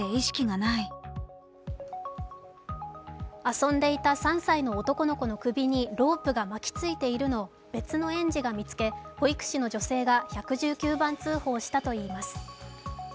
遊んでいた３歳の男の子の首にロープが巻きついているのを別の園児が見つけ、保育士の女性が１１９番通報したといいます。